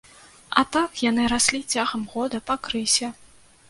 А так яны раслі цягам года па крысе.